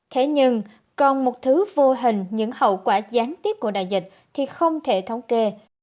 thế nhưng còn một thứ vô hình những hậu quả gián tiếp của đại dịch thì không thể thống kê